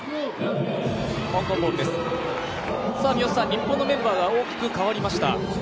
日本のメンバーが大きく変わりました。